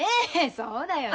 そうだよね。